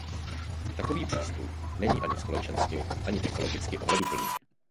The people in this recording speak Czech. Takový přístup není ani společensky, ani ekologicky ohleduplný.